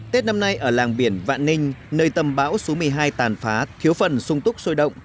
tết năm nay ở làng biển vạn ninh nơi tầm bão số một mươi hai tàn phá thiếu phần sung túc sôi động